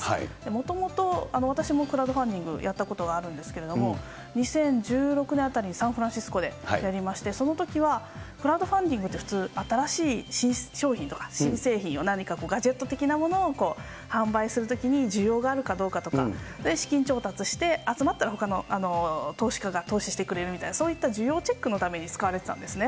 もともと、私もクラウドファンディングやったことがあるんですけれども、２０１６年あたりにサンフランシスコでやりまして、そのときはクラウドファンディングって普通、新しい商品とか、新製品を何かガジェット的なものを販売するときに需要があるかどうかとか、それで資金調達して、集まったらほかの投資家が投資してくれるみたいな、そういった需要チェックのために使われてたんですね。